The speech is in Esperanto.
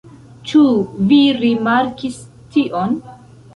Ĉu vi rimarkis tion?